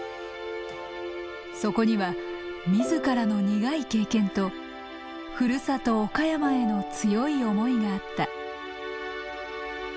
そこには自らの苦い経験とふるさと岡山への強い思いがあった。